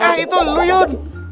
eh itu lu yun